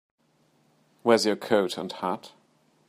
Where's your coat and hat?